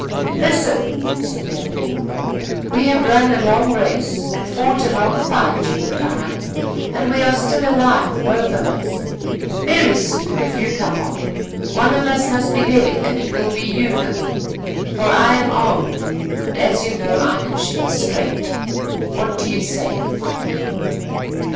"Listen," said Hadden. "We have run a long race and fought a long fight, you and I, and we are still alive both of us. Very soon, if you come on, one of us must be dead, and it will be you, Nahoon, for I am armed and as you know I can shoot straight. What do you say?"